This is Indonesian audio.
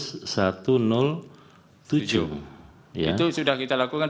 itu sudah kita lakukan